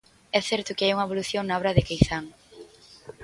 É certo que hai unha evolución na obra de Queizán.